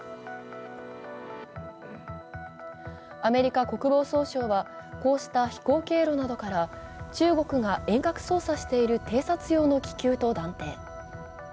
アメリカ国防総省はこうした飛行経路などから中国が遠隔操作している偵察用の気球と断定。